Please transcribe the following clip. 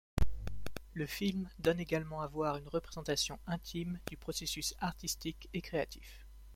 Le film donne également à voir une représentation intime du processus artistique et créatif.